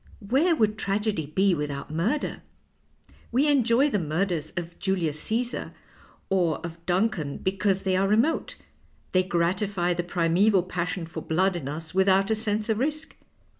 ^Vhcre would tragedy be without murder ? We enjoy the murders of Julius Casar or of Duncan because they are re mote ; they gratify the primeval passion for blood in us without a sense of risk.